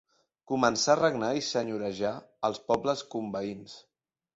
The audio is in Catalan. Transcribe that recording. Començà a regnar i senyorejar els pobles conveïns.